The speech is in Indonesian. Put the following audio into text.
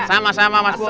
sama sama mas pur